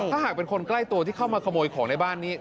ถ้าหากเป็นคนใกล้ตัวที่เข้ามาขโมยของในบ้านนี้